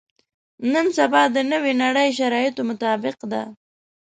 نن سبا د نوې نړۍ شرایطو مطابق ده.